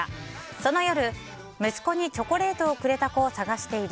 その夜、息子にチョコレートをくれた子を捜している。